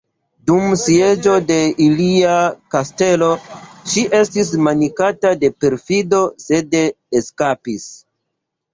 Dum sieĝo de ilia kastelo ŝi estis minacata de perfido sed eskapis.